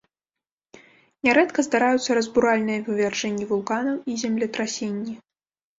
Нярэдка здараюцца разбуральныя вывяржэнні вулканаў і землетрасенні.